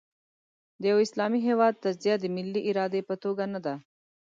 د یوه اسلامي هېواد تجزیه د ملي ارادې په توګه نه ده.